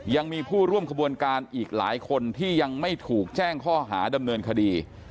ยังมีผู้ร่วมขบวนการอีกหลายคนที่ยังไม่ถูกแจ้งข้อหาดำเนินคดี